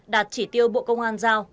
đạt chỉ tiêu bộ công an giao